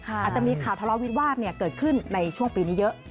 อาจจะมีข่าวทะเลาวิวาสเกิดขึ้นในช่วงปีนี้เยอะ